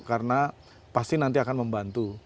karena pasti nanti akan membantu